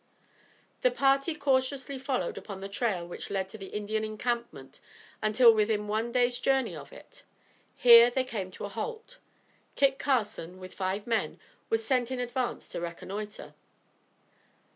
The party cautiously followed upon the trail which led to the Indian encampment until within one day's journey of it. Here they came to a halt. Kit Carson, with five men, was sent in advance to reconnoitre.